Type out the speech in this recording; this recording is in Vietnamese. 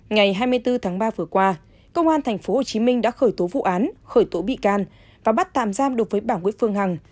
ngày hai mươi bốn tháng ba vừa qua công an tp hcm đã khởi tố vụ án khởi tố bị can và bắt tạm giam đối với bảng nguyễn phương hằng